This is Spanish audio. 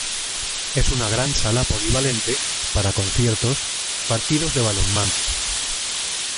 Es una gran sala polivalente para conciertos, partidos de balonmano.